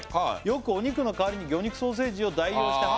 「よくお肉の代わりに魚肉ソーセージを代用して」